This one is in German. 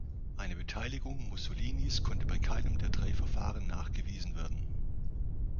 Eine Beteiligung Mussolinis konnte bei keinem der drei Verfahren nachgewiesen werden.